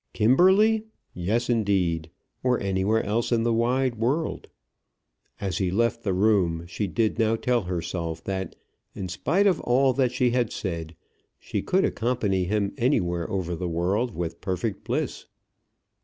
Kimberley? Yes, indeed; or anywhere else in the wide world. As he left the room, she did now tell herself that in spite of all that she had said she could accompany him anywhere over the world with perfect bliss.